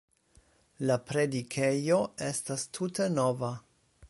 La predikejo estas tute nova.